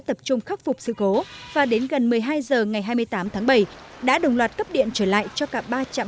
tập trung khắc phục sự cố và đến gần một mươi hai h ngày hai mươi tám tháng bảy đã đồng loạt cấp điện trở lại cho cả ba trạm